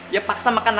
ya paksa makan apa